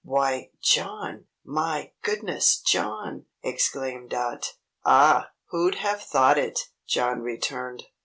"Why, John! My goodness, John!" exclaimed Dot. "Ah! Who'd have thought it!" John returned.